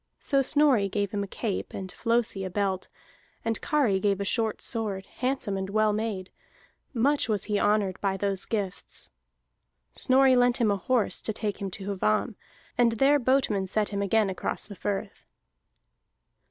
So Snorri gave him a cape, and Flosi a belt, and Kari gave a short sword, handsome and well made; much was he honored by those gifts. Snorri lent him a horse to take him to Hvamm, and there boatmen set him again across the firth.